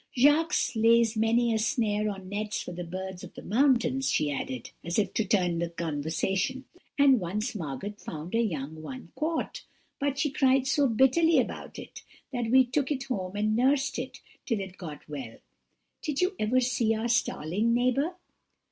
Jacques lays many a snare or nets for the birds of the mountains,' she added, as if to turn the conversation; 'and once Margot found a young one caught, but she cried so bitterly about it that we took it home and nursed it till it got well. Did you ever see our starling, neighbour?'